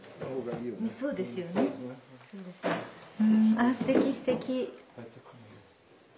あすてきすてき！